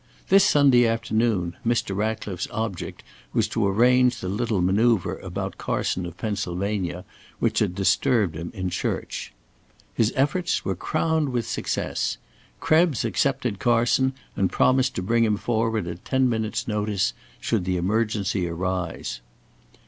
This Sunday afternoon Mr. Ratcliffe's object was to arrange the little manoeuvre about Carson of Pennsylvania, which had disturbed him in church. His efforts were crowned with success. Krebs accepted Carson and promised to bring him forward at ten minutes' notice, should the emergency arise.